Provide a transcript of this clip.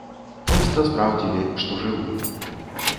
Проста спраўдзілі, што жывы.